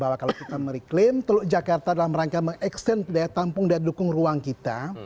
bahwa kalau kita mereklaim teluk jakarta dalam rangka mengekstern daya tampung dan dukung ruang kita